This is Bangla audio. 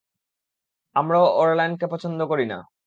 আমরাও অরল্যানকে পছন্দ করি না!